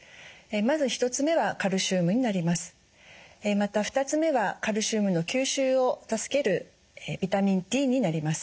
また２つ目はカルシウムの吸収を助けるビタミンＤになります。